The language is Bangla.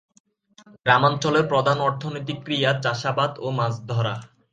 গ্রামাঞ্চলের প্রধান অর্থনৈতিক ক্রিয়া চাষাবাদ ও মাছ ধরা।